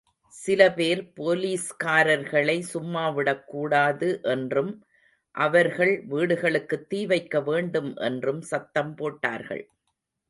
சில பேர் போலீஸ்காரர்களை சும்மாவிடக் கூடாது என்றும் அவர்கள் வீடுகளுக்குத் தீ வைக்க வேண்டும் என்றும் சத்தம் போட்டார்கள்.